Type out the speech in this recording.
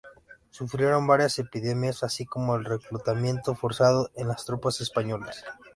Sufrieron varias epidemias, así como el reclutamiento forzado en las tropas españolas.